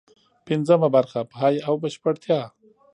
پنځمه برخه: پای او بشپړتیا